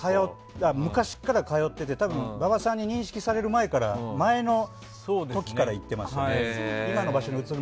昔から通ってて馬場さんに認識される前から前の時から行ってましたね。